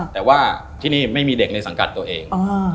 แต่ว่าที่นี่ไม่มีเด็กในสังกัดตัวเอง